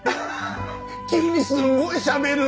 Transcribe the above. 急にすごいしゃべる！